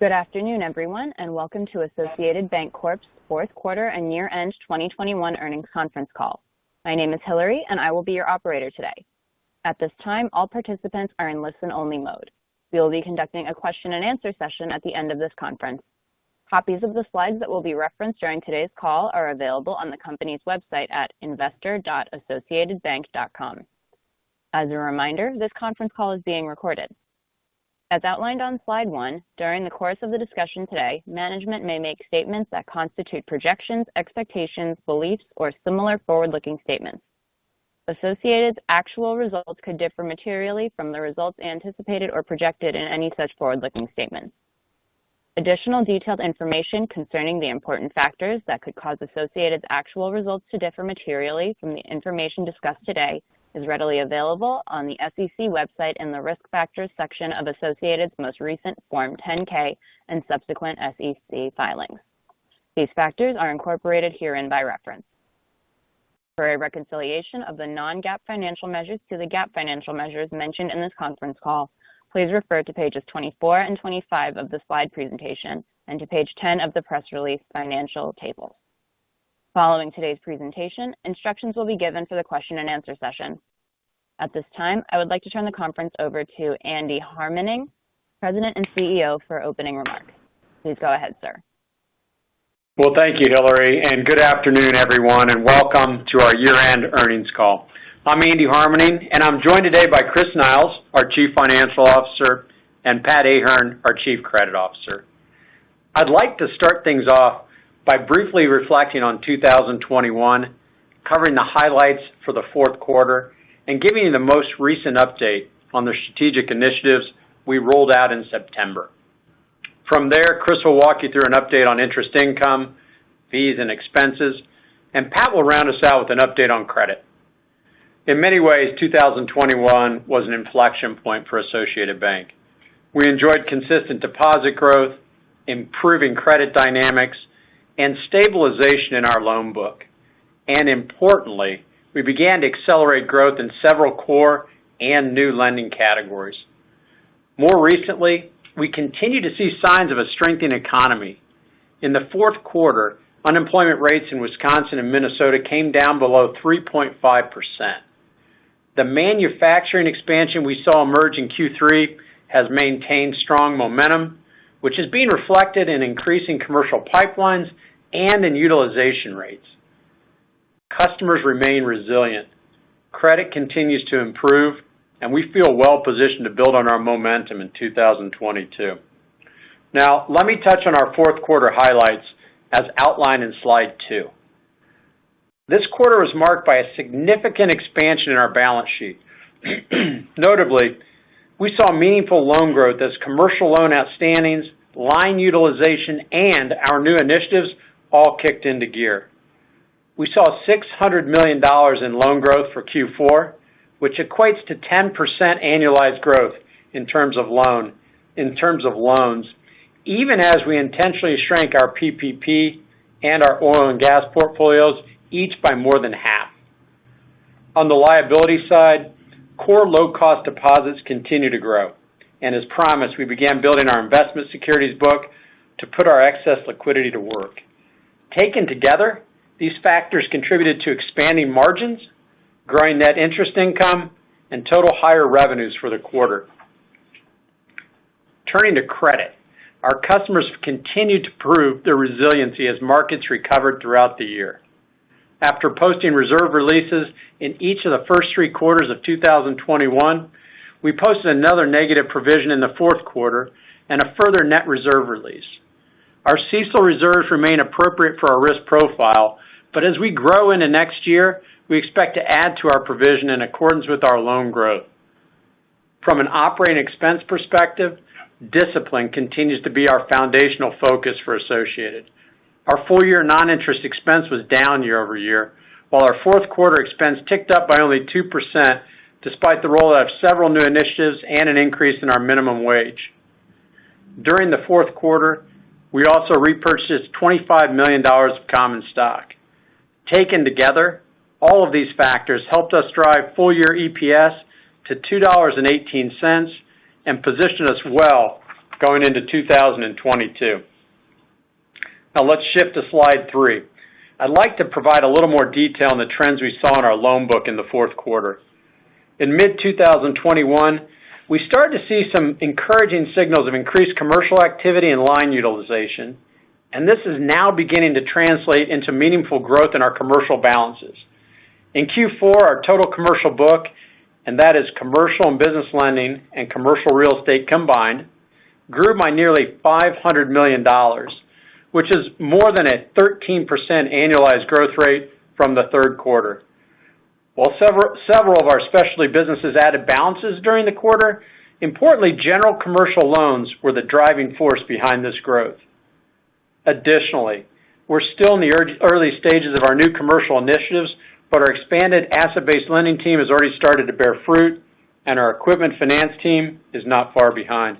Good afternoon, everyone, and welcome to Associated Banc-Corp's fourth quarter and year-end 2021 earnings conference call. My name is Hillary, and I will be your operator today. At this time, all participants are in listen-only mode. We will be conducting a question-and-answer session at the end of this conference. Copies of the slides that will be referenced during today's call are available on the company's website at investor.associatedbank.com. As a reminder, this conference call is being recorded. As outlined on slide one, during the course of the discussion today, management may make statements that constitute projections, expectations, beliefs, or similar forward-looking statements. Associated's actual results could differ materially from the results anticipated or projected in any such forward-looking statements. Additional detailed information concerning the important factors that could cause Associated's actual results to differ materially from the information discussed today is readily available on the sec website in the Risk Factors section of Associated's most recent Form 10-K and subsequent SEC filings. These factors are incorporated herein by reference. For a reconciliation of the non-GAAP financial measures to the GAAP financial measures mentioned in this conference call, please refer to pages 24 and 25 of the slide presentation and to page 10 of the press release financial table. Following today's presentation, instructions will be given for the question-and-answer session. At this time, I would like to turn the conference over to Andy Harmening, President and CEO, for opening remarks. Please go ahead, sir. Well, thank you, Hillary, and good afternoon, everyone, and welcome to our year-end earnings call. I'm Andy Harmening, and I'm joined today by Chris Niles, our Chief Financial Officer, and Pat Ahern, our Chief Credit Officer. I'd like to start things off by briefly reflecting on 2021, covering the highlights for the fourth quarter and giving you the most recent update on the strategic initiatives we rolled out in September. From there, Chris will walk you through an update on interest income, fees, and expenses, and Pat will round us out with an update on credit. In many ways, 2021 was an inflection point for Associated Bank. We enjoyed consistent deposit growth, improving credit dynamics, and stabilization in our loan book. Importantly, we began to accelerate growth in several core and new lending categories. More recently, we continue to see signs of a strengthening economy. In the fourth quarter, unemployment rates in Wisconsin and Minnesota came down below 3.5%. The manufacturing expansion we saw emerge in Q3 has maintained strong momentum, which is being reflected in increasing commercial pipelines and in utilization rates. Customers remain resilient. Credit continues to improve, and we feel well-positioned to build on our momentum in 2022. Now, let me touch on our fourth quarter highlights as outlined in slide two. This quarter is marked by a significant expansion in our balance sheet. Notably, we saw meaningful loan growth as commercial loan outstandings, line utilization, and our new initiatives all kicked into gear. We saw $600 million in loan growth for Q4, which equates to 10% annualized growth in terms of loans, even as we intentionally shrank our PPP and our oil and gas portfolios each by more than half. On the liability side, core low-cost deposits continue to grow. As promised, we began building our investment securities book to put our excess liquidity to work. Taken together, these factors contributed to expanding margins, growing net interest income, and total higher revenues for the quarter. Turning to credit. Our customers continued to prove their resiliency as markets recovered throughout the year. After posting reserve releases in each of the first three quarters of 2021, we posted another negative provision in the fourth quarter and a further net reserve release. Our CECL reserves remain appropriate for our risk profile, but as we grow in the next year, we expect to add to our provision in accordance with our loan growth. From an operating expense perspective, discipline continues to be our foundational focus for Associated. Our full-year non-interest expense was down year-over-year, while our fourth quarter expense ticked up by only 2% despite the roll out of several new initiatives and an increase in our minimum wage. During the fourth quarter, we also repurchased $25 million of common stock. Taken together, all of these factors helped us drive full-year EPS to $2.18 and positioned us well going into 2022. Now let's shift to slide three. I'd like to provide a little more detail on the trends we saw in our loan book in the fourth quarter. In mid 2021, we started to see some encouraging signals of increased commercial activity and line utilization, and this is now beginning to translate into meaningful growth in our commercial balances. In Q4, our total commercial book, and that is commercial and business lending and commercial real estate combined, grew by nearly $500 million, which is more than a 13% annualized growth rate from the third quarter. While several of our specialty businesses added balances during the quarter, importantly, general commercial loans were the driving force behind this growth. Additionally, we're still in the early stages of our new commercial initiatives, but our expanded asset-based lending team has already started to bear fruit, and our equipment finance team is not far behind.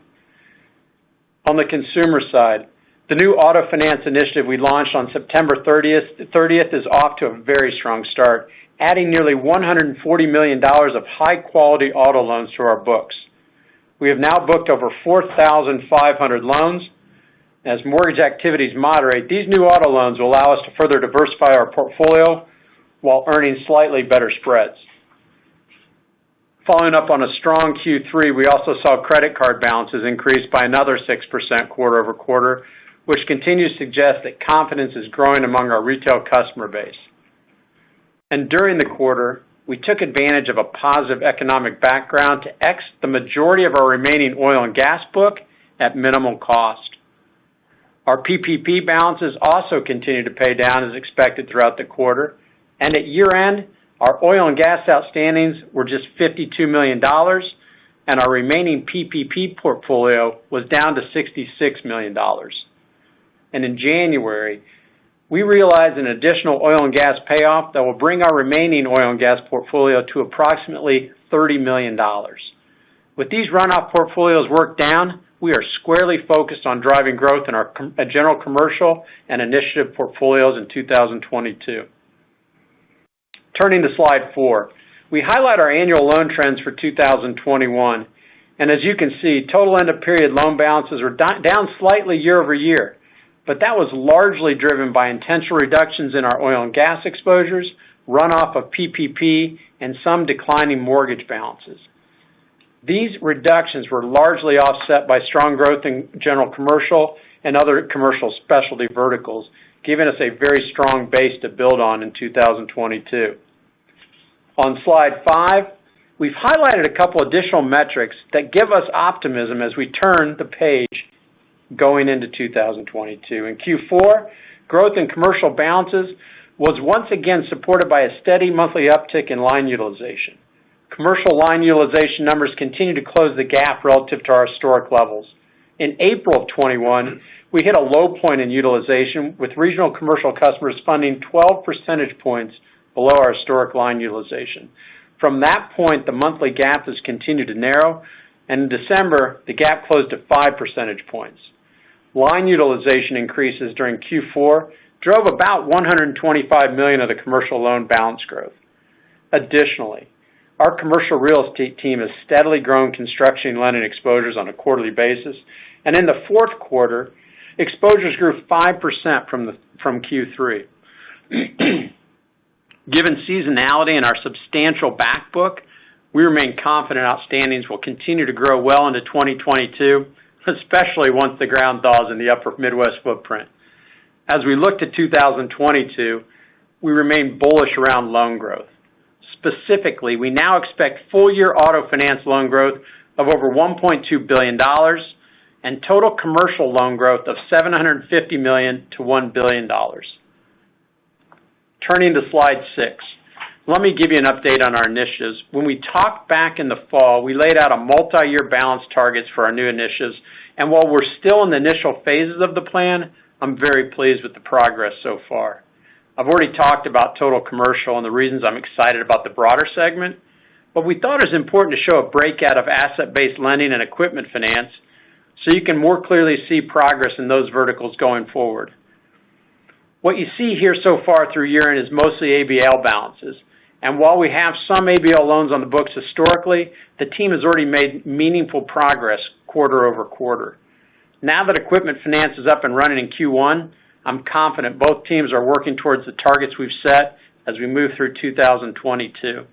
On the consumer side. The new auto finance initiative we launched on September 30th, 30th is off to a very strong start, adding nearly $140 million of high-quality auto loans to our books. We have now booked over 4,500 loans. As mortgage activities moderate, these new auto loans will allow us to further diversify our portfolio while earning slightly better spreads. Following up on a strong Q3, we also saw credit card balances increase by another 6% quarter-over-quarter, which continues to suggest that confidence is growing among our retail customer base. During the quarter, we took advantage of a positive economic background to exit the majority of our remaining oil and gas book at minimal cost. Our PPP balances also continued to pay down as expected throughout the quarter, and at year-end, our oil and gas outstandings were just $52 million, and our remaining PPP portfolio was down to $66 million. In January, we realized an additional oil and gas payoff that will bring our remaining oil and gas portfolio to approximately $30 million. With these run-off portfolios worked down, we are squarely focused on driving growth in our general commercial and initiative portfolios in 2022. Turning to slide four. We highlight our annual loan trends for 2021. As you can see, total end of period loan balances are down slightly year-over-year. That was largely driven by intentional reductions in our oil and gas exposures, runoff of PPP, and some declining mortgage balances. These reductions were largely offset by strong growth in general commercial and other commercial specialty verticals, giving us a very strong base to build on in 2022. On slide five, we've highlighted a couple additional metrics that give us optimism as we turn the page going into 2022. In Q4, growth in commercial balances was once again supported by a steady monthly uptick in line utilization. Commercial line utilization numbers continue to close the gap relative to our historic levels. In April 2021, we hit a low point in utilization with regional commercial customers funding 12 percentage points below our historic line utilization. From that point, the monthly gap has continued to narrow, and in December, the gap closed to 5 percentage points. Line utilization increases during Q4 drove about $125 million of the commercial loan balance growth. Additionally, our commercial real estate team has steadily grown construction lending exposures on a quarterly basis. In the fourth quarter, exposures grew 5% from Q3. Given seasonality and our substantial back book, we remain confident outstandings will continue to grow well into 2022, especially once the ground thaws in the upper Midwest footprint. As we look to 2022, we remain bullish around loan growth. Specifically, we now expect full-year auto finance loan growth of over $1.2 billion and total commercial loan growth of $750 million-$1 billion. Turning to slide six. Let me give you an update on our initiatives. When we talked back in the fall, we laid out a multiyear balance targets for our new initiatives, and while we're still in the initial phases of the plan, I'm very pleased with the progress so far. I've already talked about total commercial and the reasons I'm excited about the broader segment, but we thought it was important to show a breakout of asset-based lending and equipment finance so you can more clearly see progress in those verticals going forward. What you see here so far through year-end is mostly ABL balances. While we have some ABL loans on the books historically, the team has already made meaningful progress quarter-over-quarter. Now that equipment finance is up and running in Q1, I'm confident both teams are working towards the targets we've set as we move through 2022.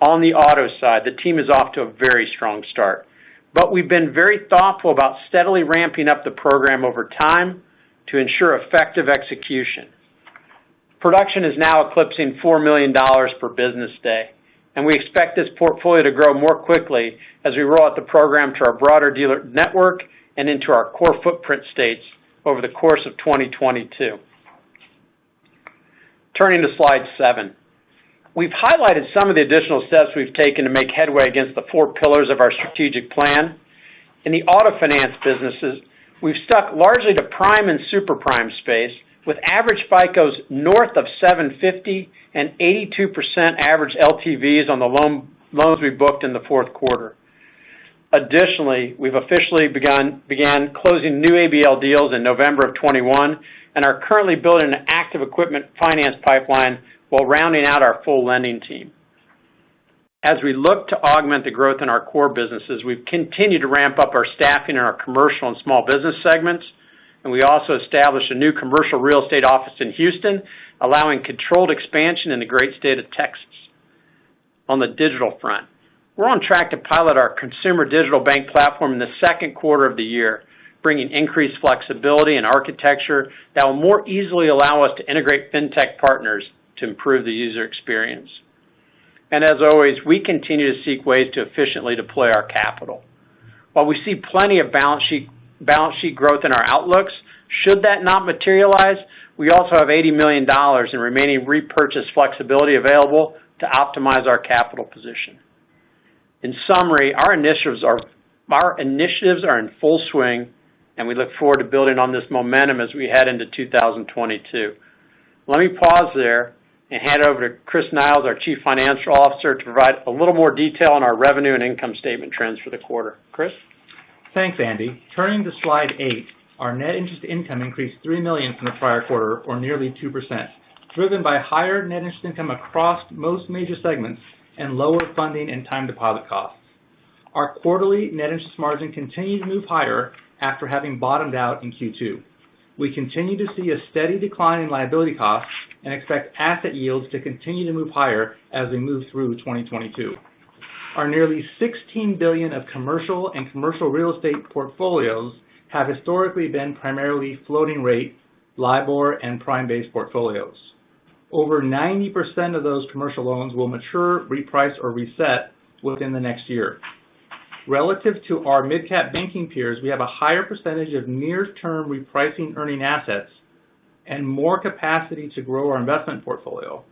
On the auto side, the team is off to a very strong start, but we've been very thoughtful about steadily ramping up the program over time to ensure effective execution. Production is now eclipsing $4 million per business day, and we expect this portfolio to grow more quickly as we roll out the program to our broader dealer network and into our core footprint states over the course of 2022. Turning to slide seven. We've highlighted some of the additional steps we've taken to make headway against the four pillars of our strategic plan. In the auto finance businesses, we've stuck largely to prime and super prime space with average FICOs north of 750 and 82% average LTVs on the loans we booked in the fourth quarter. Additionally, we've officially began closing new ABL deals in November 2021 and are currently building an active equipment finance pipeline while rounding out our full lending team. As we look to augment the growth in our core businesses, we've continued to ramp up our staffing in our commercial and small business segments, and we also established a new commercial real estate office in Houston, allowing controlled expansion in the great state of Texas. On the digital front, we're on track to pilot our consumer digital bank platform in the second quarter of the year, bringing increased flexibility and architecture that will more easily allow us to integrate fintech partners to improve the user experience. As always, we continue to seek ways to efficiently deploy our capital. While we see plenty of balance sheet growth in our outlooks, should that not materialize, we also have $80 million in remaining repurchase flexibility available to optimize our capital position. In summary, our initiatives are in full swing, and we look forward to building on this momentum as we head into 2022. Let me pause there and hand over to Chris Niles, our Chief Financial Officer, to provide a little more detail on our revenue and income statement trends for the quarter. Chris? Thanks, Andy. Turning to slide eight, our net interest income increased $3 million from the prior quarter, or nearly 2%, driven by higher net interest income across most major segments and lower funding and time deposit costs. Our quarterly net interest margin continued to move higher after having bottomed out in Q2. We continue to see a steady decline in liability costs and expect asset yields to continue to move higher as we move through 2022. Our nearly $16 billion of commercial and commercial real estate portfolios have historically been primarily floating rate LIBOR and prime-based portfolios. Over 90% of those commercial loans will mature, reprice, or reset within the next year. Relative to our midcap banking peers, we have a higher percentage of near-term repricing earning assets and more capacity to grow our investment portfolio.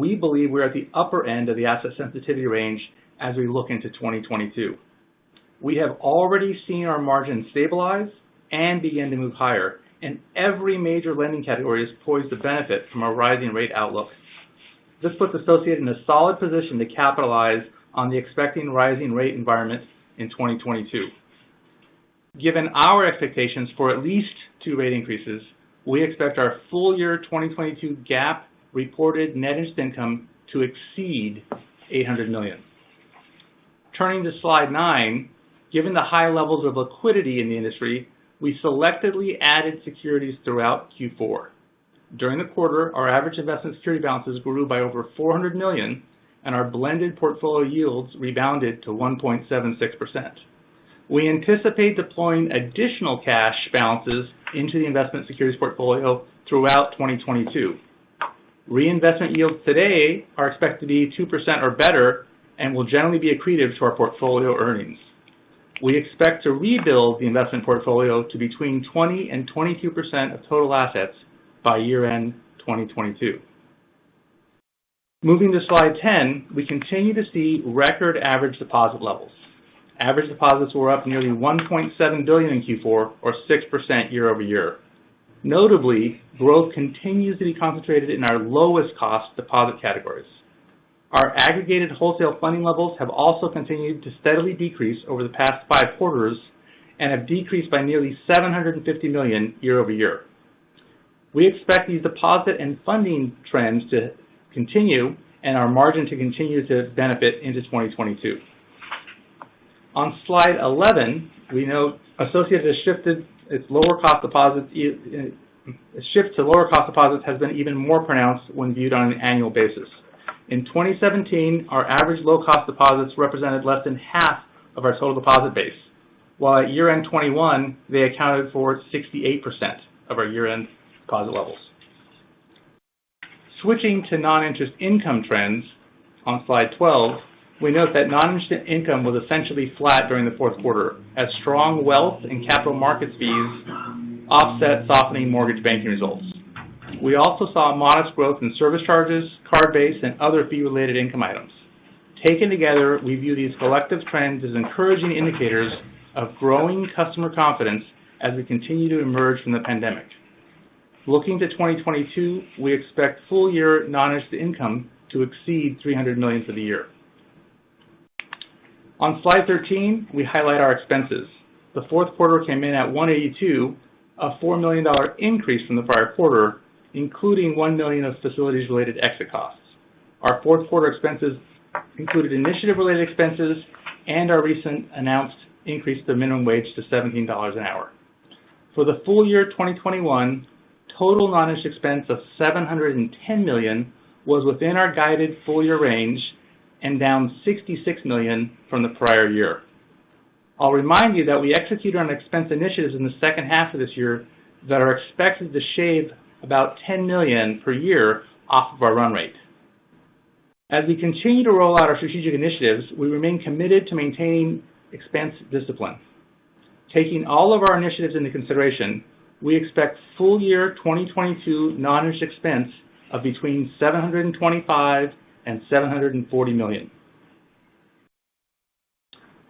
We believe we're at the upper end of the asset sensitivity range as we look into 2022. We have already seen our margin stabilize and begin to move higher, and every major lending category is poised to benefit from our rising rate outlook. This puts Associated in a solid position to capitalize on the expected rising rate environment in 2022. Given our expectations for at least two rate increases, we expect our full year 2022 GAAP reported net interest income to exceed $800 million. Turning to slide nine, given the high levels of liquidity in the industry, we selectively added securities throughout Q4. During the quarter, our average investment security balances grew by over $400 million, and our blended portfolio yields rebounded to 1.76%. We anticipate deploying additional cash balances into the investment securities portfolio throughout 2022. Reinvestment yields today are expected to be 2% or better and will generally be accretive to our portfolio earnings. We expect to rebuild the investment portfolio to between 20% and 22% of total assets by year-end 2022. Moving to slide 10, we continue to see record average deposit levels. Average deposits were up nearly $1.7 billion in Q4, or 6% year-over-year. Notably, growth continues to be concentrated in our lowest cost deposit categories. Our aggregated wholesale funding levels have also continued to steadily decrease over the past five quarters and have decreased by nearly $750 million year-over-year. We expect these deposit and funding trends to continue and our margin to continue to benefit into 2022. On slide 11, we note the shift to lower cost deposits has been even more pronounced when viewed on an annual basis. In 2017, our average low cost deposits represented less than half of our total deposit base, while at year-end 2021, they accounted for 68% of our year-end deposit levels. Switching to non-interest income trends on slide 12, we note that non-interest income was essentially flat during the fourth quarter as strong wealth and capital markets fees offset softening mortgage banking results. We also saw modest growth in service charges, card-based, and other fee-related income items. Taken together, we view these collective trends as encouraging indicators of growing customer confidence as we continue to emerge from the pandemic. Looking to 2022, we expect full-year non-interest income to exceed $300 million for the year. On slide 13, we highlight our expenses. The fourth quarter came in at $182 million, a $4 million increase from the prior quarter, including $1 million of facilities-related exit costs. Our fourth quarter expenses included initiative-related expenses and our recently announced increase to minimum wage to $17 an hour. For the full year 2021, total non-interest expense of $710 million was within our guided full year range and down $66 million from the prior year. I'll remind you that we executed on expense initiatives in the second half of this year that are expected to shave about $10 million per year off of our run rate. As we continue to roll out our strategic initiatives, we remain committed to maintaining expense discipline. Taking all of our initiatives into consideration, we expect full year 2022 non-interest expense of between $725 million and $740 million.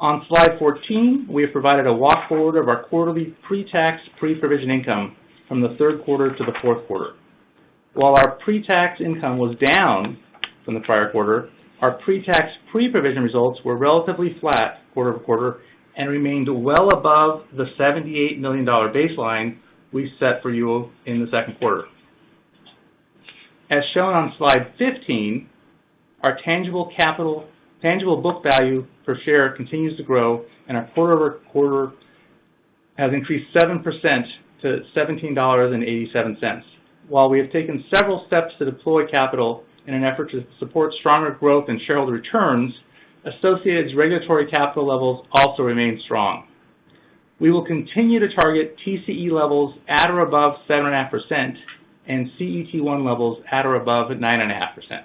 On slide 14, we have provided a walk forward of our quarterly pre-tax, pre-provision income from the third quarter to the fourth quarter. While our pre-tax income was down from the prior quarter, our pre-tax, pre-provision results were relatively flat quarter-over-quarter and remained well above the $78 million baseline we set for you in the second quarter. As shown on slide 15, our tangible book value per share continues to grow and quarter-over-quarter has increased 7% to $17.87. While we have taken several steps to deploy capital in an effort to support stronger growth and shareholder returns, Associated's regulatory capital levels also remain strong. We will continue to target TCE levels at or above 7.5% and CET1 levels at or above 9.5%.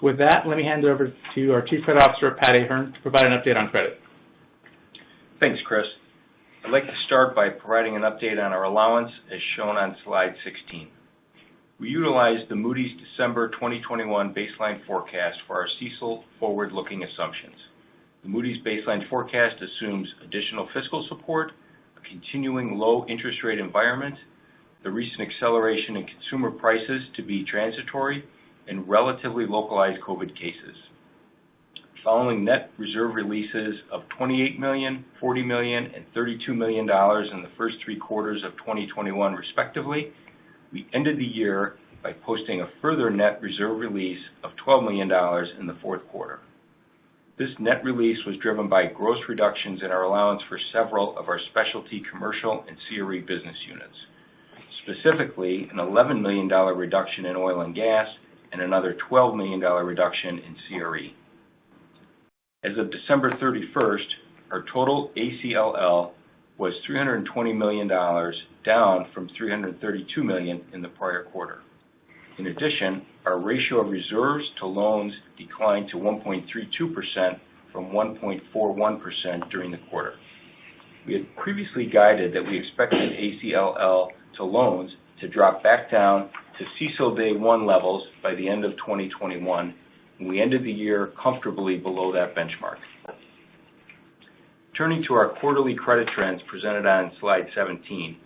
With that, let me hand it over to our Chief Credit Officer, Pat Ahern, to provide an update on credit. Thanks, Chris. I'd like to start by providing an update on our allowance as shown on slide 16. We utilized the Moody's December 2021 baseline forecast for our CECL forward-looking assumptions. The Moody's baseline forecast assumes additional fiscal support, a continuing low interest rate environment, the recent acceleration in consumer prices to be transitory and relatively localized COVID cases. Following net reserve releases of $28 million, $40 million, and $32 million in the first three quarters of 2021, respectively, we ended the year by posting a further net reserve release of $12 million in the fourth quarter. This net release was driven by gross reductions in our allowance for several of our specialty commercial and CRE business units, specifically an $11 million reduction in oil and gas and another $12 million reduction in CRE. As of December 31st, our total ACLL was $320 million, down from $332 million in the prior quarter. In addition, our ratio of reserves to loans declined to 1.32% from 1.41% during the quarter. We had previously guided that we expected ACLL to loans to drop back down to CECL day one levels by the end of 2021, and we ended the year comfortably below that benchmark. Turning to our quarterly credit trends presented on slide 17.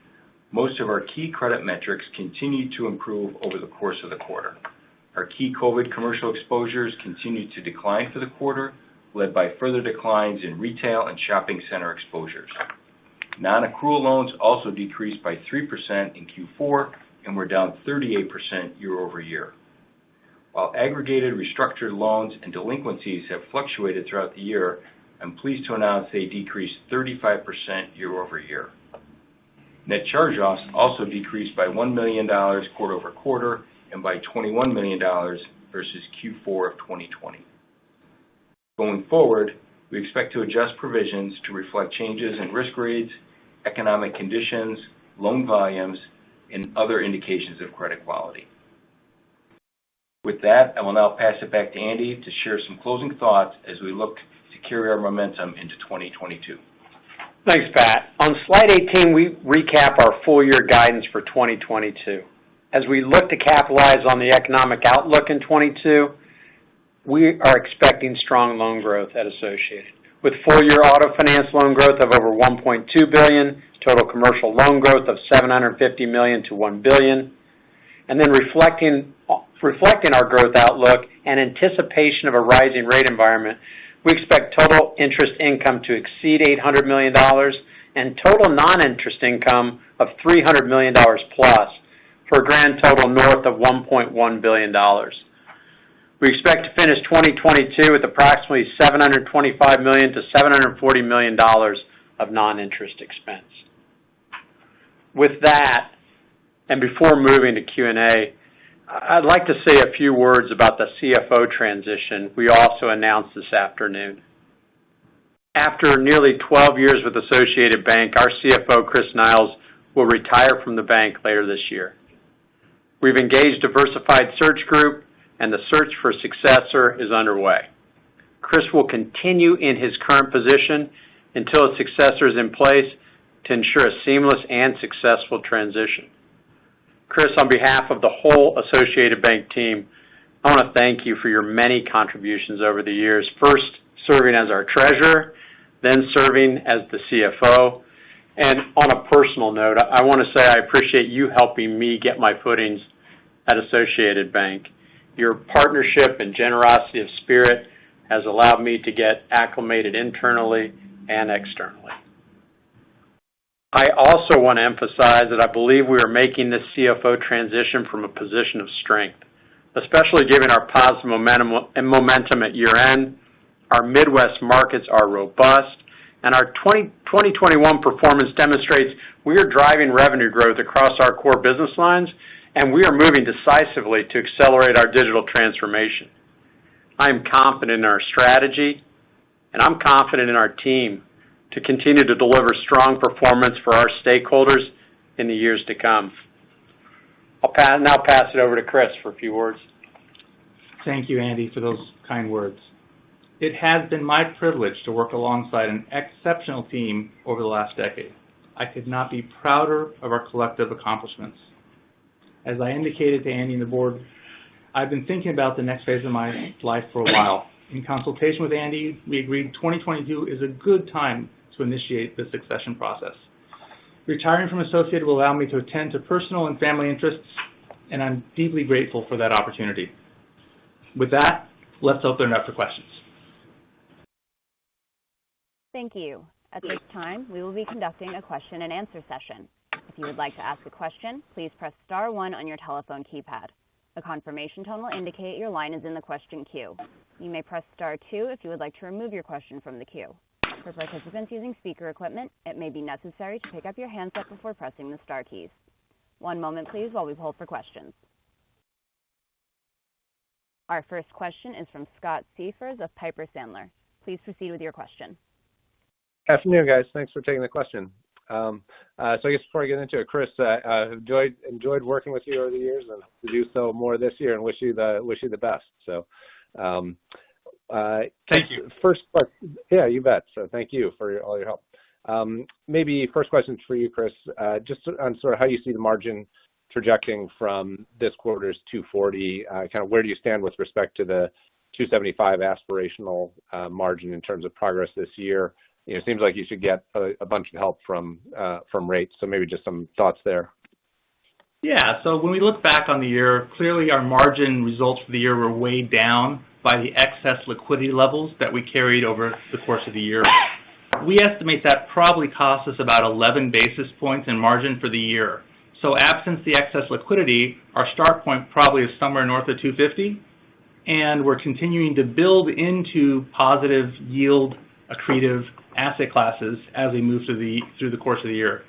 Most of our key credit metrics continued to improve over the course of the quarter. Our key COVID commercial exposures continued to decline for the quarter, led by further declines in retail and shopping center exposures. Non-accrual loans also decreased by 3% in Q4 and were down 38% year-over-year. While aggregated restructured loans and delinquencies have fluctuated throughout the year, I'm pleased to announce they decreased 35% year-over-year. Net charge-offs also decreased by $1 million quarter-over-quarter and by $21 million versus Q4 of 2020. Going forward, we expect to adjust provisions to reflect changes in risk grades, economic conditions, loan volumes, and other indications of credit quality. With that, I will now pass it back to Andy to share some closing thoughts as we look to carry our momentum into 2022. Thanks, Pat. On slide 18, we recap our full-year guidance for 2022. As we look to capitalize on the economic outlook in 2022, we are expecting strong loan growth at Associated with full year auto finance loan growth of over $1.2 billion, total commercial loan growth of $750 million-$1 billion. Reflecting our growth outlook and anticipation of a rising rate environment, we expect total interest income to exceed $800 million and total non-interest income of $300 million plus for a grand total north of $1.1 billion. We expect to finish 2022 with approximately $725 million-$740 million of non-interest expense. With that, and before moving to Q&A, I'd like to say a few words about the CFO transition we also announced this afternoon. After nearly 12 years with Associated Bank, our CFO, Chris Niles, will retire from the bank later this year. We've engaged Diversified Search Group and the search for successor is underway. Chris will continue in his current position until a successor is in place to ensure a seamless and successful transition. Chris, on behalf of the whole Associated Bank team, I want to thank you for your many contributions over the years. First, serving as our treasurer, then serving as the CFO. On a personal note, I want to say I appreciate you helping me get my footings at Associated Bank. Your partnership and generosity of spirit has allowed me to get acclimated internally and externally. I also want to emphasize that I believe we are making this CFO transition from a position of strength, especially given our positive momentum at year-end. Our Midwest markets are robust and our 2021 performance demonstrates we are driving revenue growth across our core business lines, and we are moving decisively to accelerate our digital transformation. I am confident in our strategy, and I'm confident in our team to continue to deliver strong performance for our stakeholders in the years to come. I'll now pass it over to Chris for a few words. Thank you, Andy, for those kind words. It has been my privilege to work alongside an exceptional team over the last decade. I could not be prouder of our collective accomplishments. As I indicated to Andy and the board, I've been thinking about the next phase of my life for a while. In consultation with Andy, we agreed 2022 is a good time to initiate the succession process. Retiring from Associated will allow me to attend to personal and family interests, and I'm deeply grateful for that opportunity. With that, let's open it up for questions. Thank you. At this time, we will be conducting a question-and-answer session. If you would like to ask a question, please press star one on your telephone keypad. A confirmation tone will indicate your line is in the question queue. You may press star two if you would like to remove your question from the queue. For participants using speaker equipment, it may be necessary to pick up your handset before pressing the star keys. One moment, please, while we poll for questions. Our first question is from Scott Siefers of Piper Sandler. Please proceed with your question. Afternoon, guys. Thanks for taking the question. I guess before I get into it, Chris, I enjoyed working with you over the years and to do so more this year and wish you the best. Uh, first que- Thank you. Yeah, you bet. Thank you for all your help. Maybe first question for you, Chris. Just on sort of how you see the margin trajecting from this quarter's 2.40%, kind of where do you stand with respect to the 2.75% aspirational margin in terms of progress this year? You know, it seems like you should get a bunch of help from rates. Maybe just some thoughts there. Yeah. When we look back on the year, clearly our margin results for the year were weighed down by the excess liquidity levels that we carried over the course of the year. We estimate that probably cost us about 11 basis points in margin for the year. Absent the excess liquidity, our starting point probably is somewhere north of 2.50%. We're continuing to build into positive yield accretive asset classes as we move through the course of the year.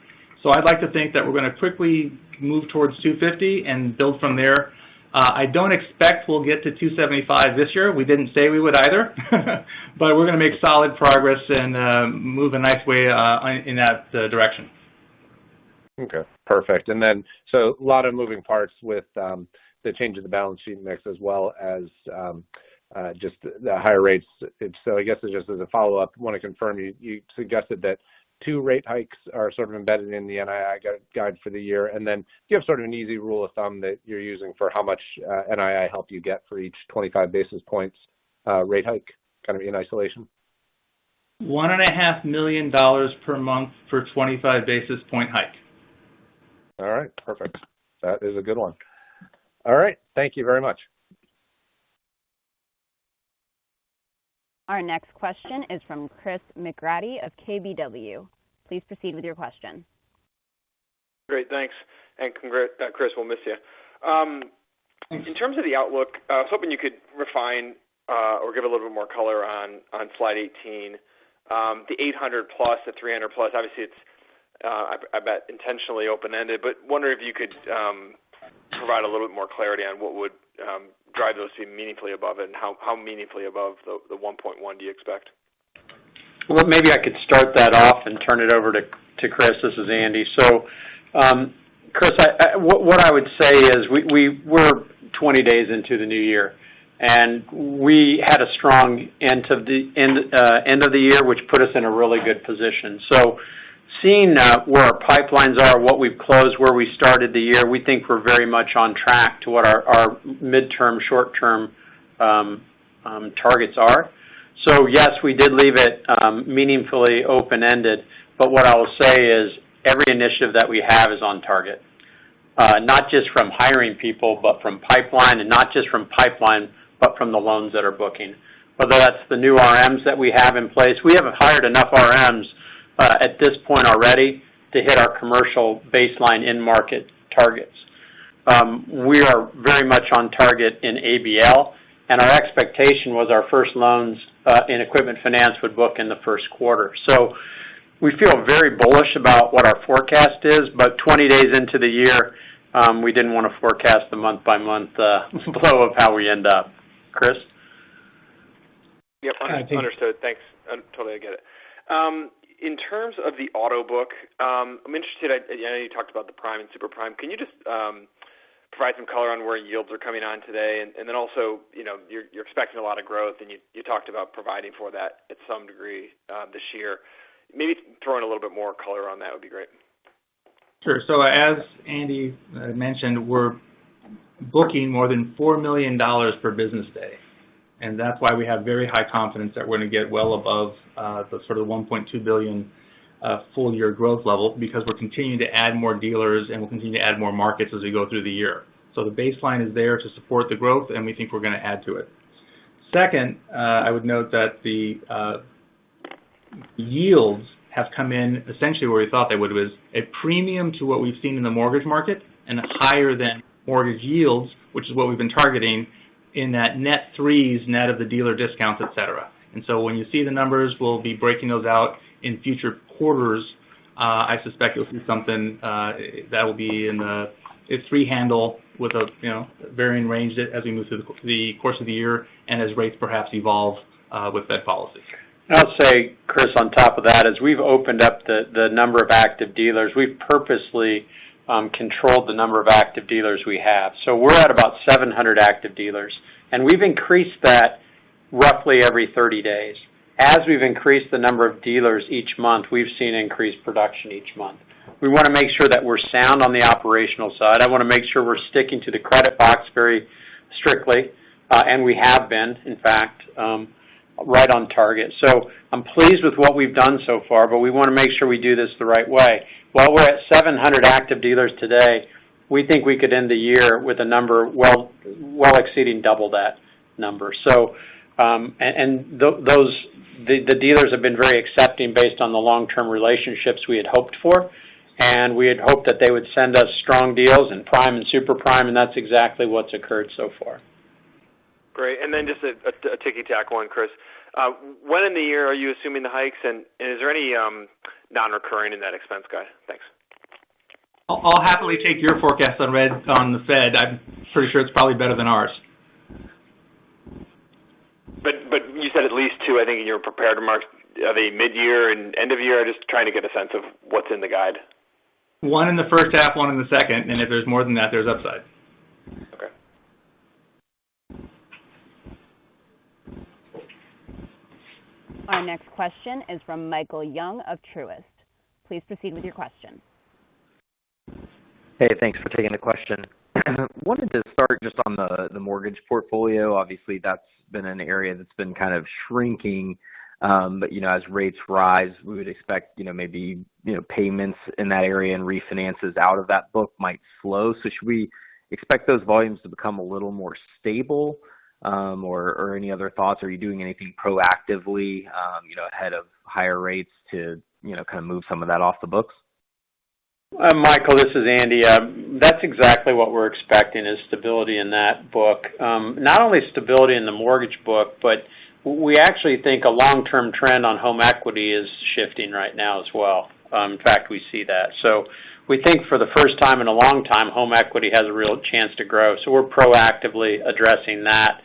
I'd like to think that we're gonna quickly move towards 2.50% and build from there. I don't expect we'll get to 2.75% this year. We didn't say we would either. We're gonna make solid progress and move a nice way in that direction. Okay. Perfect. A lot of moving parts with the change in the balance sheet mix as well as just the higher rates. I guess just as a follow-up, I wanna confirm, you suggested that two rate hikes are sort of embedded in the NII guide for the year. Do you have sort of an easy rule of thumb that you're using for how much NII help you get for each 25 basis points rate hike kind of in isolation? $1.5 million per month for 25 basis point hike. All right. Perfect. That is a good one. All right. Thank you very much. Our next question is from Chris McGratty of KBW. Please proceed with your question. Great. Thanks. Chris, we'll miss you. In terms of the outlook, I was hoping you could refine or give a little bit more color on slide 18. The $800+ million, the $300+ million, obviously it's I bet intentionally open-ended, but wondering if you could provide a little bit more clarity on what would drive those to be meaningfully above it, and how meaningfully above the $1.1 billion do you expect? Well, maybe I could start that off and turn it over to Chris. This is Andy. Chris, what I would say is we're 20 days into the new year. We had a strong end to the end of the year, which put us in a really good position. Seeing where our pipelines are, what we've closed, where we started the year, we think we're very much on track to what our midterm, short-term targets are. Yes, we did leave it meaningfully open-ended, but what I will say is every initiative that we have is on target. Not just from hiring people, but from pipeline. Not just from pipeline, but from the loans that are booking. Whether that's the new RMs that we have in place. We haven't hired enough RMs at this point already to hit our commercial baseline end market targets. We are very much on target in ABL, and our expectation was our first loans in equipment finance would book in the first quarter. We feel very bullish about what our forecast is. 20 days into the year, we didn't wanna forecast the month-by-month flow of how we end up. Chris? Yeah. Understood. Thanks. I totally get it. In terms of the auto book, I'm interested. I know you talked about the prime and super prime. Can you just provide some color on where yields are coming on today? Also, you know, you're expecting a lot of growth and you talked about providing for that at some degree this year. Maybe throw in a little bit more color on that would be great. Sure. As Andy mentioned, we're booking more than $4 million per business day. That's why we have very high confidence that we're gonna get well above the sort of $1.2 billion full year growth level because we're continuing to add more dealers and we'll continue to add more markets as we go through the year. The baseline is there to support the growth, and we think we're gonna add to it. Second, I would note that the yields have come in essentially where we thought they would. It was a premium to what we've seen in the mortgage market and higher than mortgage yields, which is what we've been targeting in that net threes, net of the dealer discounts, et cetera. When you see the numbers, we'll be breaking those out in future quarters. I suspect you'll see something that will be in the three handle with a, you know, varying range as we move through the course of the year and as rates perhaps evolve with Fed policy. I'll say, Chris, on top of that, as we've opened up the number of active dealers, we've purposely controlled the number of active dealers we have. We're at about 700 active dealers. We've increased that roughly every 30 days. As we've increased the number of dealers each month, we've seen increased production each month. We wanna make sure that we're sound on the operational side. I wanna make sure we're sticking to the credit box very strictly. We have been, in fact, right on target. I'm pleased with what we've done so far, but we wanna make sure we do this the right way. While we're at 700 active dealers today, we think we could end the year with a number well exceeding double that number. Those dealers have been very accepting based on the long-term relationships we had hoped for. We had hoped that they would send us strong deals in prime and super prime, and that's exactly what's occurred so far. Great. Just a ticky-tack one, Chris. When in the year are you assuming the hikes, and is there any non-recurring in that expense guide? Thanks. I'll happily take your forecast on the Fed. I'm pretty sure it's probably better than ours. you said at least two, I think, in your prepared remarks. Are they mid-year and end of year? I'm just trying to get a sense of what's in the guide. One in the first half, one in the second. If there's more than that, there's upside. Our next question is from Michael Young of Truist. Please proceed with your question. Hey, thanks for taking the question. I wanted to start just on the mortgage portfolio. Obviously, that's been an area that's been kind of shrinking. But you know, as rates rise, we would expect, you know, maybe, you know, payments in that area and refinances out of that book might slow. Should we expect those volumes to become a little more stable, or any other thoughts? Are you doing anything proactively, you know, ahead of higher rates to, you know, kind of move some of that off the books? Michael, this is Andy. That's exactly what we're expecting, is stability in that book. Not only stability in the mortgage book, but we actually think a long-term trend on home equity is shifting right now as well. In fact, we see that. We think for the first time in a long time, home equity has a real chance to grow. We're proactively addressing that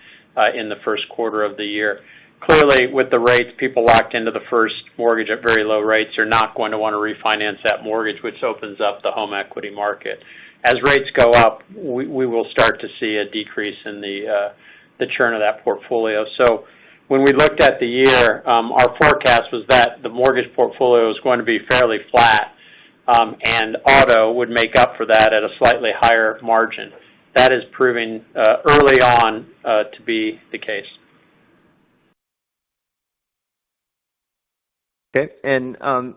in the first quarter of the year. Clearly, with the rates, people locked into the first mortgage at very low rates are not going to want to refinance that mortgage, which opens up the home equity market. As rates go up, we will start to see a decrease in the churn of that portfolio. When we looked at the year, our forecast was that the mortgage portfolio is going to be fairly flat, and auto would make up for that at a slightly higher margin. That is proving early on to be the case. Okay. On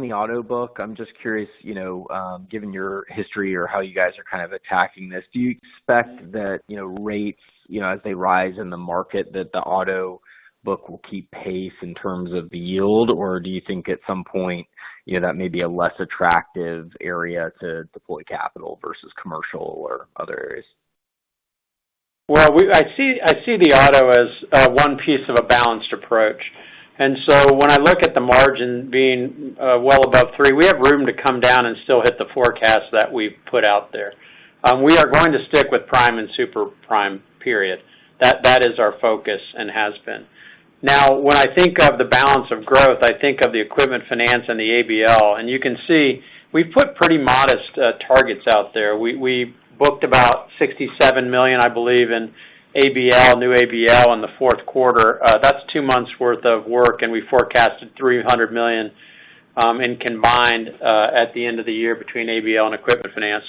the auto book, I'm just curious, you know, given your history or how you guys are kind of attacking this, do you expect that, you know, rates, you know, as they rise in the market, that the auto book will keep pace in terms of the yield? Or do you think at some point, you know, that may be a less attractive area to deploy capital versus commercial or other areas? I see the auto as one piece of a balanced approach. When I look at the margin being well above 3%, we have room to come down and still hit the forecast that we've put out there. We are going to stick with prime and super prime, period. That is our focus and has been. Now, when I think of the balance of growth, I think of the equipment finance and the ABL. You can see, we've put pretty modest targets out there. We booked about $67 million, I believe, in ABL, new ABL in the fourth quarter. That's two months worth of work, and we forecasted $300 million in combined at the end of the year between ABL and equipment finance.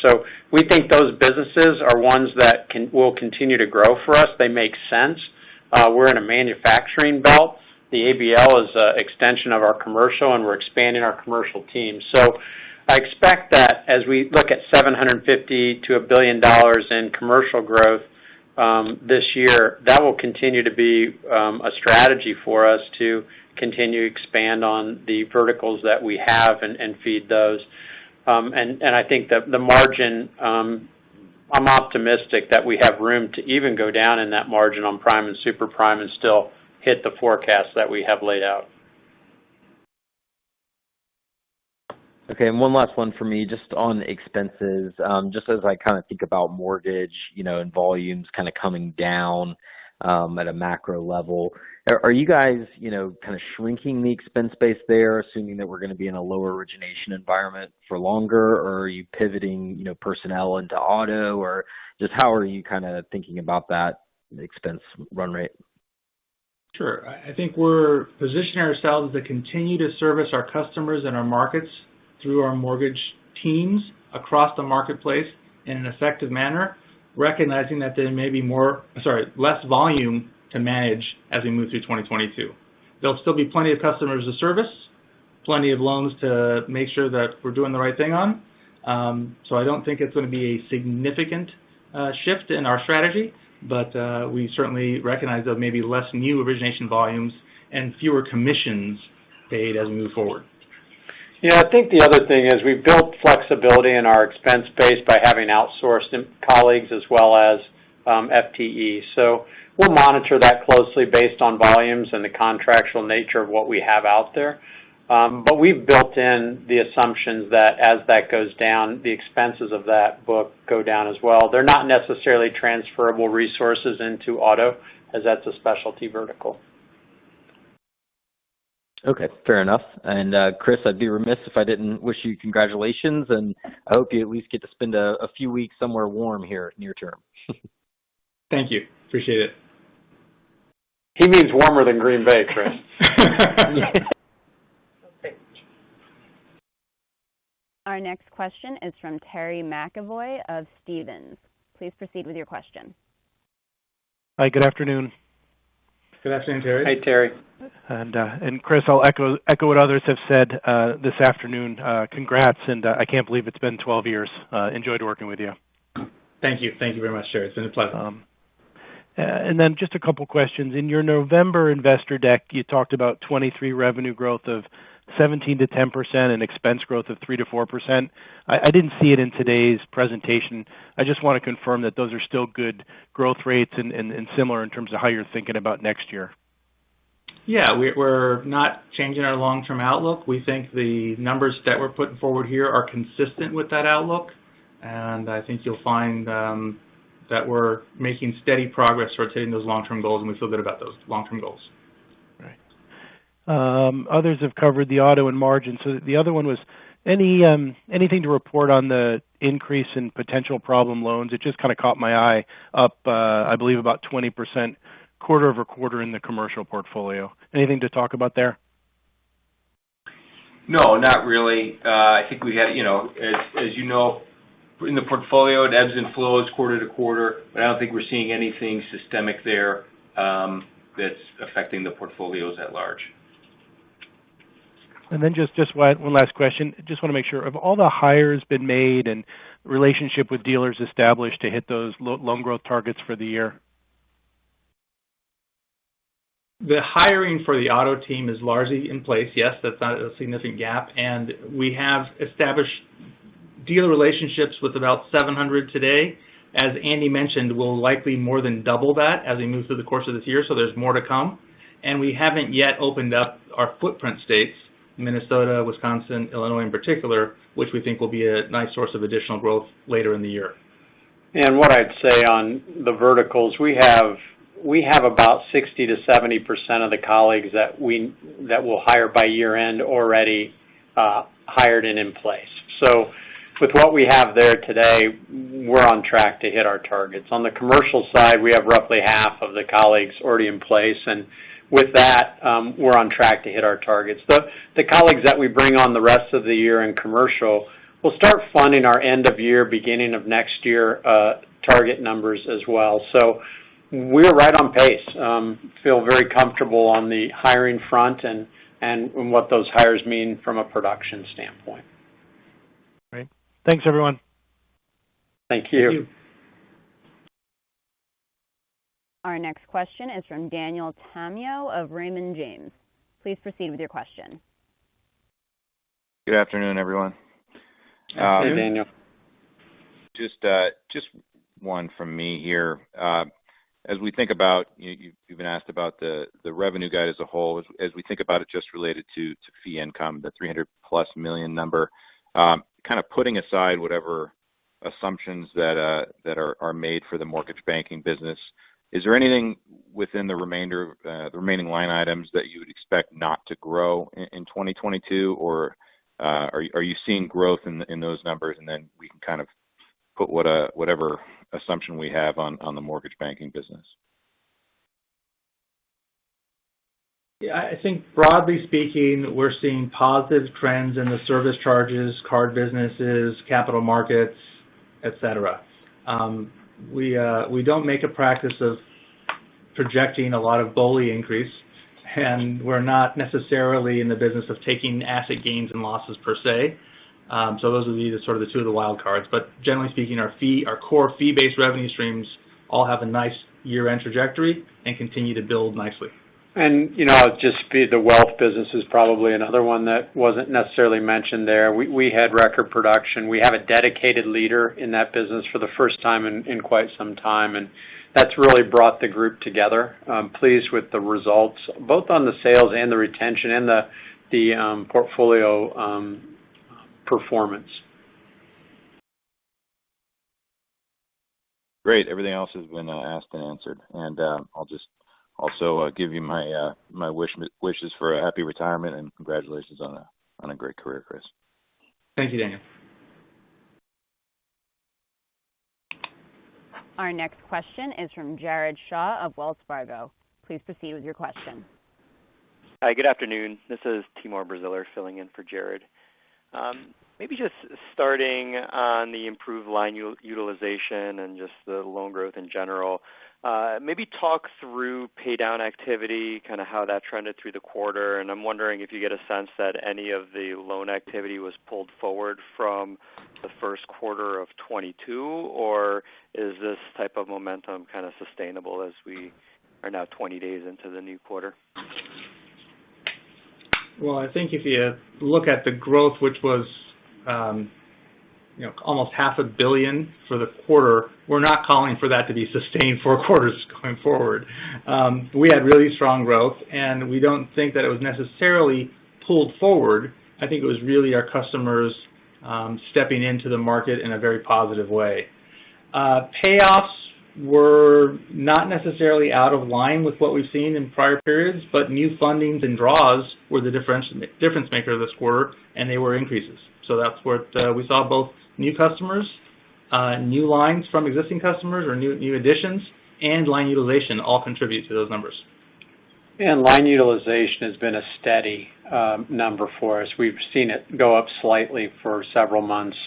We think those businesses are ones that will continue to grow for us. They make sense. We're in a manufacturing belt. The ABL is an extension of our commercial, and we're expanding our commercial team. I expect that as we look at $750 million-$1 billion in commercial growth this year, that will continue to be a strategy for us to continue to expand on the verticals that we have and feed those. And I think the margin, I'm optimistic that we have room to even go down in that margin on prime and super prime and still hit the forecast that we have laid out. Okay. One last one for me. Just on expenses, just as I kind of think about mortgage, you know, and volumes kind of coming down, at a macro level, are you guys, you know, kind of shrinking the expense base there, assuming that we're gonna be in a lower origination environment for longer? Or are you pivoting, you know, personnel into auto? Or just how are you kind of thinking about that expense run rate? Sure. I think we're positioning ourselves to continue to service our customers and our markets through our mortgage teams across the marketplace in an effective manner, recognizing that there may be less volume to manage as we move through 2022. There'll still be plenty of customers to service, plenty of loans to make sure that we're doing the right thing on. I don't think it's gonna be a significant shift in our strategy, but we certainly recognize there may be less new origination volumes and fewer commissions paid as we move forward. Yeah. I think the other thing is we've built flexibility in our expense base by having outsourced colleagues as well as FTEs. We'll monitor that closely based on volumes and the contractual nature of what we have out there. We've built in the assumptions that as that goes down, the expenses of that book go down as well. They're not necessarily transferable resources into auto, as that's a specialty vertical. Okay, fair enough. Chris, I'd be remiss if I didn't wish you congratulations, and I hope you at least get to spend a few weeks somewhere warm in the near term. Thank you. Appreciate it. He means warmer than Green Bay, Chris. Yes. Our next question is from Terry McEvoy of Stephens. Please proceed with your question. Hi, good afternoon. Good afternoon, Terry. Hey, Terry. Chris, I'll echo what others have said this afternoon. Congrats and I can't believe it's been 12 years. Enjoyed working with you. Thank you. Thank you very much, Terry. It's been a pleasure. Just a couple questions. In your November investor deck, you talked about 2023 revenue growth of 17%-10% and expense growth of 3%-4%. I didn't see it in today's presentation. I just wanna confirm that those are still good growth rates and similar in terms of how you're thinking about next year. Yeah. We're not changing our long-term outlook. We think the numbers that we're putting forward here are consistent with that outlook, and I think you'll find that we're making steady progress towards hitting those long-term goals, and we feel good about those long-term goals. All right. Others have covered the auto and margin. The other one was anything to report on the increase in potential problem loans. It just kind of caught my eye up, I believe about 20% quarter-over-quarter in the commercial portfolio. Anything to talk about there? No, not really. I think we had, you know, as you know, in the portfolio, it ebbs and flows quarter-to-quarter, but I don't think we're seeing anything systemic there, that's affecting the portfolios at large. Just one last question. Just wanna make sure. Have all the hires been made and relationship with dealers established to hit those loan growth targets for the year? The hiring for the auto team is largely in place. Yes, that's not a significant gap. We have established dealer relationships with about 700 today. As Andy mentioned, we'll likely more than double that as we move through the course of this year, so there's more to come. We haven't yet opened up our footprint states, Minnesota, Wisconsin, Illinois in particular, which we think will be a nice source of additional growth later in the year. What I'd say on the verticals, we have about 60%-70% of the colleagues that we'll hire by year-end already hired and in place. With what we have there today, we're on track to hit our targets. On the commercial side, we have roughly half of the colleagues already in place, and with that, we're on track to hit our targets. The colleagues that we bring on the rest of the year in commercial will start funding our end-of-year, beginning-of-next-year target numbers as well. We're right on pace. Feel very comfortable on the hiring front and what those hires mean from a production standpoint. Great. Thanks, everyone. Thank you. Thank you. Our next question is from Daniel Tamayo of Raymond James. Please proceed with your question. Good afternoon, everyone. Hey. Hey, Daniel. Just one from me here. As we think about you've been asked about the revenue guide as a whole. As we think about it just related to fee income, the $300+ million number. Kind of putting aside whatever assumptions that are made for the mortgage banking business. Is there anything within the remainder, the remaining line items that you would expect not to grow in 2022? Or are you seeing growth in those numbers, and then we can kind of put whatever assumption we have on the mortgage banking business. Yeah. I think broadly speaking, we're seeing positive trends in the service charges, card businesses, capital markets, et cetera. We don't make a practice of projecting a lot of BOLI increase, and we're not necessarily in the business of taking asset gains and losses per se. Those would be sort of the two wild cards. Generally speaking, our core fee-based revenue streams all have a nice year-end trajectory and continue to build nicely. You know, just the wealth business is probably another one that wasn't necessarily mentioned there. We had record production. We have a dedicated leader in that business for the first time in quite some time, and that's really brought the group together. I'm pleased with the results, both on the sales and the retention and the portfolio performance. Great. Everything else has been asked and answered. I'll just also give you my wishes for a happy retirement, and congratulations on a great career, Chris. Thank you, Daniel. Our next question is from Jared Shaw of Wells Fargo. Please proceed with your question. Hi. Good afternoon. This is Timur Braziler filling in for Jared. Maybe just starting on the improved line utilization and just the loan growth in general. Maybe talk through paydown activity, kind of how that trended through the quarter. I'm wondering if you get a sense that any of the loan activity was pulled forward from the first quarter of 2022, or is this type of momentum kind of sustainable as we are now 20 days into the new quarter? Well, I think if you look at the growth, which was, you know, almost $500 million for the quarter, we're not calling for that to be sustained for quarters going forward. We had re ally strong growth, and we don't think that it was necessarily pulled forward. I think it was really our customers stepping into the market in a very positive way. Payoffs were not necessarily out of line with what we've seen in prior periods, but new fundings and draws were the difference maker this quarter, and they were increases. That's what we saw both new customers, new lines from existing customers or new additions and line utilization all contribute to those numbers. Line utilization has been a steady number for us. We've seen it go up slightly for several months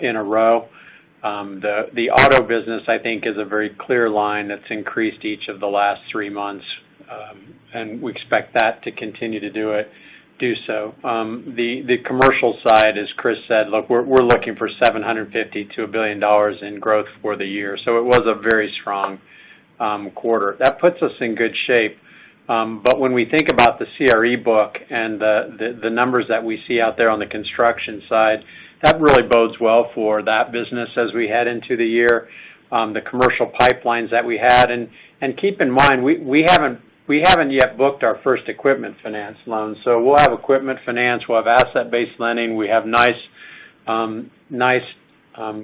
in a row. The auto business, I think, is a very clear line that's increased each of the last three months, and we expect that to continue to do so. The commercial side, as Chris said, look, we're looking for $750 million-$1 billion in growth for the year. It was a very strong quarter. That puts us in good shape. When we think about the CRE book and the numbers that we see out there on the construction side, that really bodes well for that business as we head into the year. The commercial pipelines that we had. Keep in mind, we haven't yet booked our first equipment finance loan. We'll have equipment finance, we'll have asset-based lending. We have nice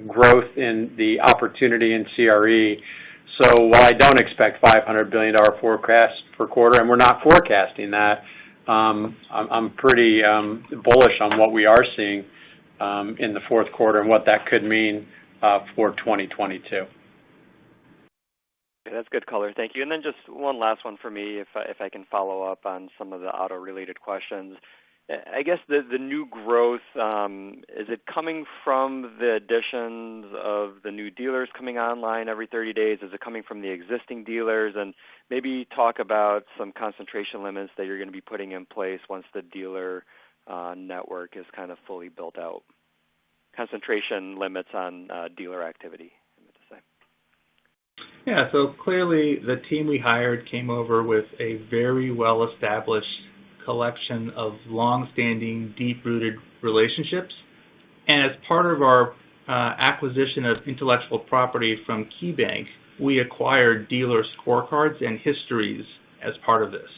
growth and opportunity in CRE. While I don't expect $500 billion forecast per quarter, and we're not forecasting that, I'm pretty bullish on what we are seeing in the fourth quarter and what that could mean for 2022. That's good color. Thank you. Then just one last one for me, if I can follow up on some of the auto-related questions. I guess the new growth is it coming from the additions of the new dealers coming online every 30 days? Is it coming from the existing dealers? Maybe talk about some concentration limits that you're gonna be putting in place once the dealer network is kind of fully built out. Concentration limits on dealer activity, I meant to say. Yeah. Clearly, the team we hired came over with a very well-established collection of long-standing, deep-rooted relationships. As part of our acquisition of intellectual property from KeyBank, we acquired dealers' scorecards and histories as part of this.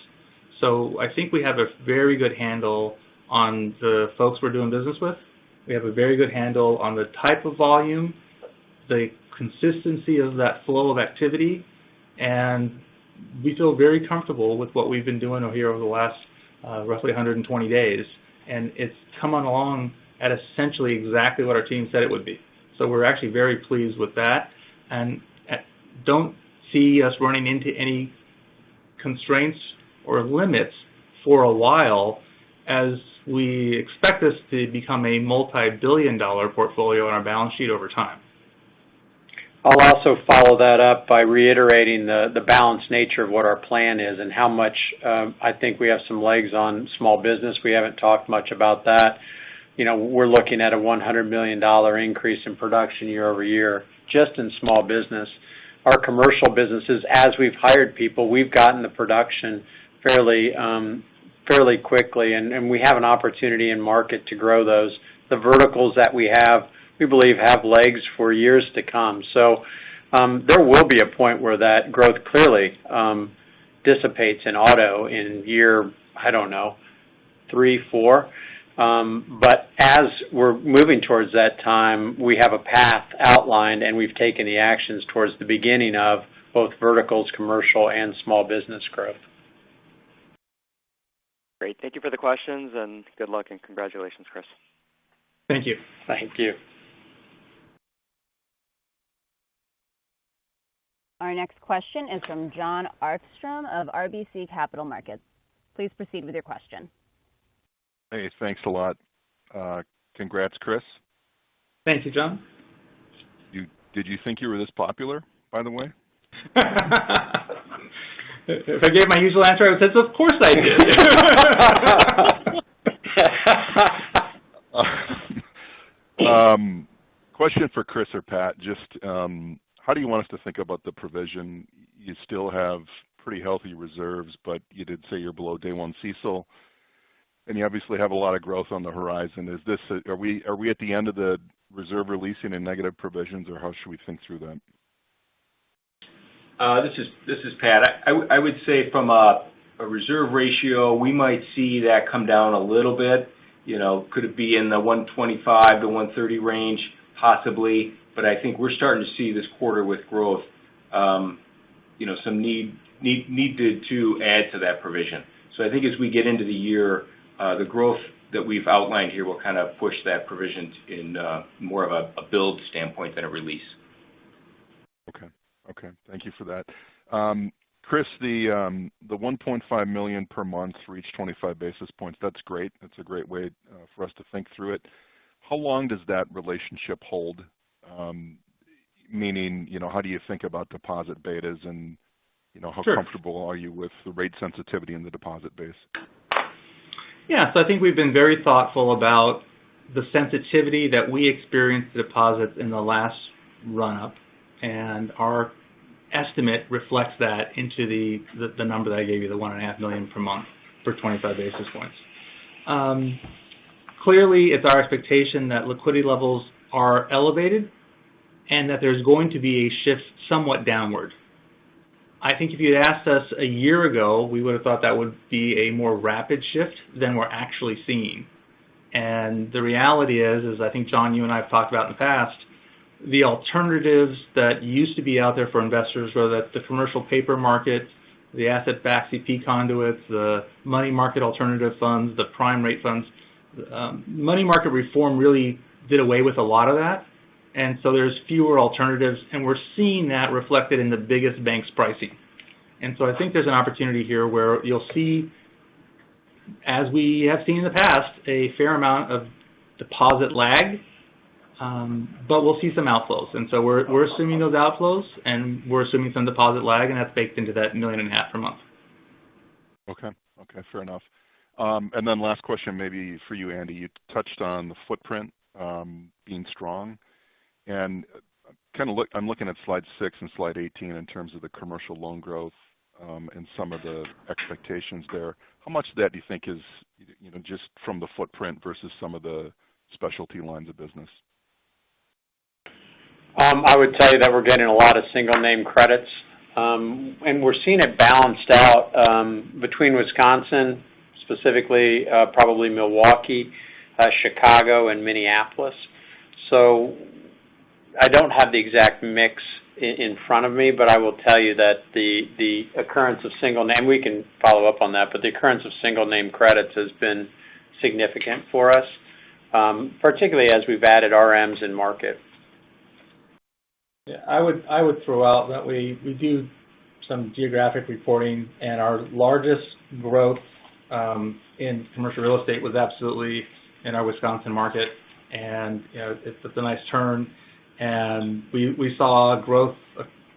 I think we have a very good handle on the folks we're doing business with. We have a very good handle on the type of volume, the consistency of that flow of activity, and we feel very comfortable with what we've been doing over here over the last roughly 120 days. It's coming along at essentially exactly what our team said it would be. We're actually very pleased with that. We don't see us running into any constraints or limits for a while, as we expect this to become a multi-billion dollar portfolio on our balance sheet over time. I'll also follow that up by reiterating the balanced nature of what our plan is and how much I think we have some legs on small business. We haven't talked much about that. You know, we're looking at a $100 million increase in production year-over-year just in small business. Our commercial businesses, as we've hired people, we've gotten the production fairly quickly, and we have an opportunity in market to grow those. The verticals that we have, we believe have legs for years to come. There will be a point where that growth clearly dissipates in auto in year I don't know, three, four. As we're moving towards that time, we have a path outlined, and we've taken the actions towards the beginning of both verticals, commercial and small business growth. Great. Thank you for the questions, and good luck and congratulations, Chris. Thank you. Thank you. Our next question is from Jon Arfstrom of RBC Capital Markets. Please proceed with your question. Hey, thanks a lot. Congrats, Chris. Thank you, Jon. Did you think you were this popular, by the way? If I gave my usual answer, I would say, "Of course, I did. Question for Chris or Pat. Just, how do you want us to think about the provision? You still have pretty healthy reserves, but you did say you're below day one CECL, and you obviously have a lot of growth on the horizon. Are we at the end of the reserve releasing and negative provisions, or how should we think through that? This is Pat. I would say from a reserve ratio, we might see that come down a little bit. You know, could it be in the 125-130 range? Possibly. I think we're starting to see this quarter with growth, you know, some need to add to that provision. I think as we get into the year, the growth that we've outlined here will kind of push that provision in more of a build standpoint than a release. Okay, thank you for that. Chris, the $1.5 million per month for each 25 basis points, that's great. That's a great way for us to think through it. How long does that relationship hold? Meaning, you know, how do you think about deposit betas and, you know Sure. How comfortable are you with the rate sensitivity in the deposit base? Yeah. I think we've been very thoughtful about the sensitivity that we experienced with deposits in the last run-up, and our estimate reflects that into the number that I gave you, the $1.5 million per month for 25 basis points. Clearly it's our expectation that liquidity levels are elevated and that there's going to be a shift somewhat downward. I think if you'd asked us a year ago, we would've thought that would be a more rapid shift than we're actually seeing. The reality is, as I think, Jon, you and I have talked about in the past, the alternatives that used to be out there for investors, whether that's the commercial paper market, the asset-backed CP conduits, the money market alternative funds, the prime rate funds. Money market reform really did away with a lot of that, and so there's fewer alternatives, and we're seeing that reflected in the biggest banks' pricing. I think there's an opportunity here where you'll see, as we have seen in the past, a fair amount of deposit lag, but we'll see some outflows. We're assuming those outflows, and we're assuming some deposit lag, and that's baked into that $1.5 million per month. Okay. Okay, fair enough. Last question maybe for you, Andy. You touched on the footprint being strong. I'm looking at slide six and slide 18 in terms of the commercial loan growth and some of the expectations there. How much of that do you think is, you know, just from the footprint versus some of the specialty lines of business? I would tell you that we're getting a lot of single name credits. We're seeing it balanced out between Wisconsin, specifically, probably Milwaukee, Chicago, and Minneapolis. I don't have the exact mix in front of me, but I will tell you that we can follow up on that, but the occurrence of single name credits has been significant for us, particularly as we've added RMs in market. Yeah, I would throw out that we do some geographic reporting, and our largest growth in commercial real estate was absolutely in our Wisconsin market. You know, it's a nice turn, and we saw growth,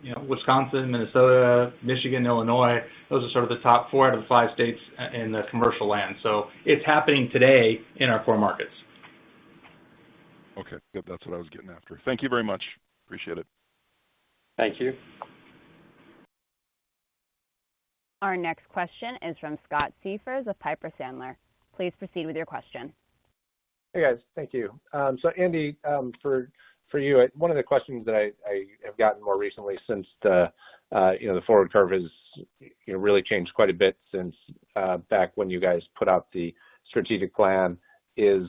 you know, Wisconsin, Minnesota, Michigan, Illinois. Those are sort of the top four out of five states in the commercial lending. It's happening today in our core markets. Okay. Yep, that's what I was getting after. Thank you very much. Appreciate it. Thank you. Our next question is from Scott Siefers of Piper Sandler. Please proceed with your question. Hey, guys. Thank you. Andy, for you, one of the questions that I have gotten more recently since you know the forward curve has you know really changed quite a bit since back when you guys put out the strategic plan is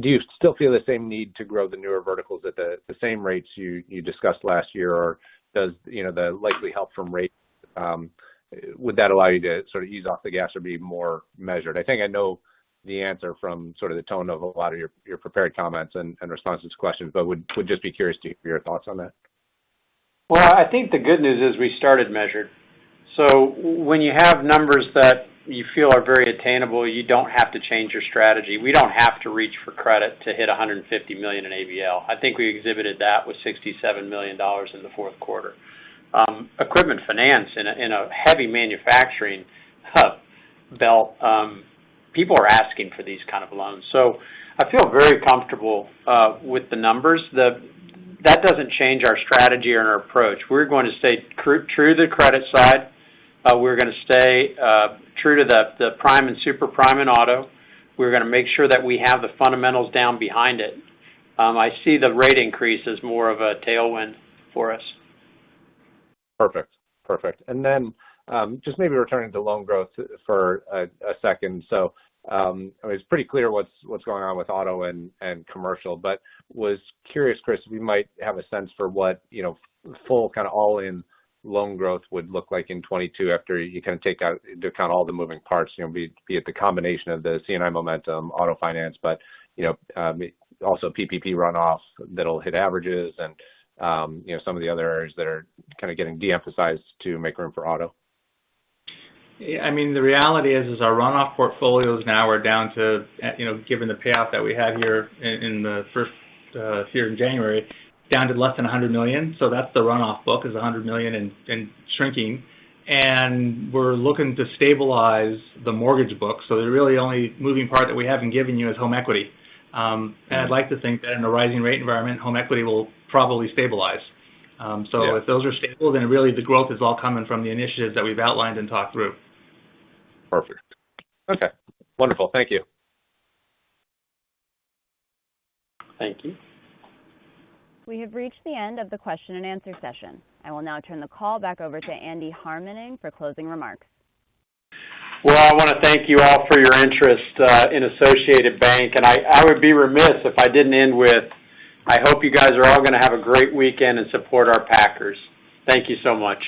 do you still feel the same need to grow the newer verticals at the same rates you discussed last year? Or does you know the likely help from rates would that allow you to sort of ease off the gas or be more measured? I think I know the answer from sort of the tone of a lot of your prepared comments and responses to questions, but would just be curious to hear your thoughts on that. Well, I think the good news is we started measured. When you have numbers that you feel are very attainable, you don't have to change your strategy. We don't have to reach for credit to hit $150 million in ABL. I think we exhibited that with $67 million in the fourth quarter. Equipment finance in a heavy manufacturing hub belt, people are asking for these kind of loans. I feel very comfortable with the numbers. That doesn't change our strategy or our approach. We're going to stay true to the credit side. We're gonna stay true to the prime and super prime in auto. We're gonna make sure that we have the fundamentals down behind it. I see the rate increase as more of a tailwind for us. Perfect. Then, just maybe returning to loan growth for a second. I mean, it's pretty clear what's going on with auto and commercial, but was curious, Chris, if you might have a sense for what full kind of all-in loan growth would look like in 2022 after you kind of take out, discount all the moving parts, you know, be it the combination of the C&I momentum, auto finance, but also PPP runoff that'll hit averages and some of the other areas that are kind of getting de-emphasized to make room for auto. Yeah, I mean, the reality is our runoff portfolios now are down to, you know, given the payoff that we had here in January, down to less than $100 million. That's the runoff book is $100 million and shrinking. We're looking to stabilize the mortgage book. The really only moving part that we haven't given you is home equity. I'd like to think that in a rising rate environment, home equity will probably stabilize. If those are stable, then really the growth is all coming from the initiatives that we've outlined and talked through. Perfect. Okay. Wonderful. Thank you. Thank you. We have reached the end of the question-and-answer session. I will now turn the call back over to Andy Harmening for closing remarks. Well, I wanna thank you all for your interest in Associated Bank. I would be remiss if I didn't end with, I hope you guys are all gonna have a great weekend and support our Packers. Thank you so much.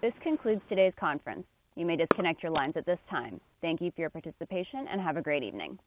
This concludes today's conference. You may disconnect your lines at this time. Thank you for your participation, and have a great evening.